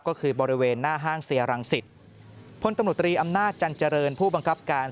ก็คือบริเวณหน้าห้างเซียรังสิตพลตำรวจตรีอำนาจจันเจริญผู้บังคับการ